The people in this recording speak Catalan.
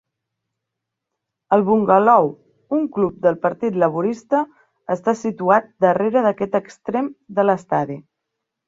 El Bungalow, un club del Partit Laborista, està situat darrere d'aquest extrem de l'estadi.